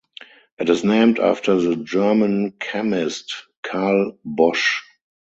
It is named after the German chemist Carl Bosch.